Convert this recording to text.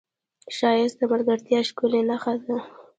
ښایست د ملګرتیا ښکلې نښه ده